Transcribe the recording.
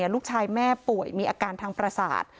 ลูกชายแม่ป่วยมีอาการทางประสาท